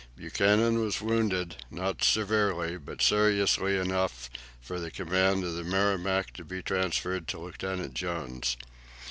Buchanan was wounded, not severely, but seriously enough for the command of the "Merrimac" to be transferred to Lieutenant Jones.